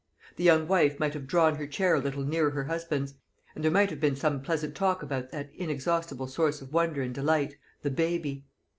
The young wife might have drawn her chair a little nearer her husband's, and there might have been some pleasant talk about that inexhaustible source of wonder and delight, the baby.